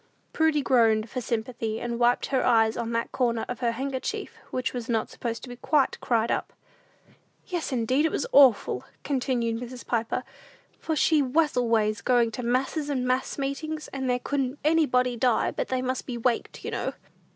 Prudy groaned for sympathy, and wiped her eyes on that corner of her handkerchief which was supposed to be not quite "cried up." "Yes, indeed, it was awful," continued Mrs. Piper; "for she was always going to masses and mass meetings; and there couldn't anybody die but they must be 'waked,' you know."